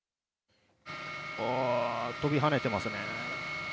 飛び跳ねてますね。